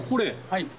はい。